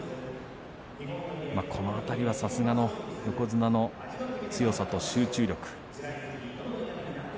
この辺りはさすがの横綱の強さと集中力。